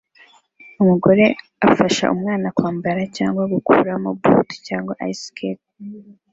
Umugore afasha umwana kwambara cyangwa gukuramo boot cyangwa ice skate